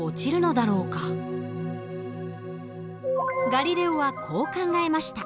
ガリレオはこう考えました。